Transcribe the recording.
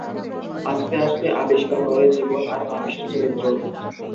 আস্তে আস্তে আবিষ্কার করে জীবন আর মানুষের চরিত্র।